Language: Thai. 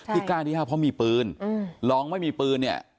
กล้าที่ห้ามเพราะมีปืนลองไม่มีปืนเนี่ย